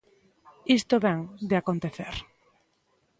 Isto vén de acontecer.